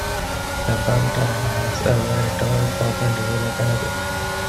The font has a very tall Perpendicular canopy.